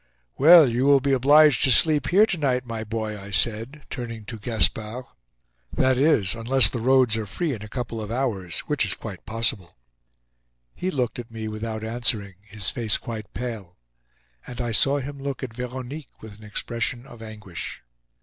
"Well, you will be obliged to sleep here to night, my boy," I said, turning to Gaspard. "That is, unless the roads are free in a couple of hours—which is quite possible." He looked at me without answering, his face quite pale; and I saw him look at Veronique with an expression of anguish.